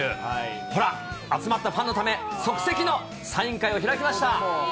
ほら、集まったファンのため、即席のサイン会を開きました。